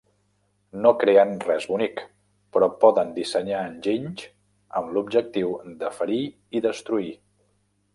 No creen res bonic, però poden dissenyar enginys amb l'objectiu de ferir i destruir.